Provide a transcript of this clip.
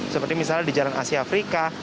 seperti misalnya di jalan asia afrika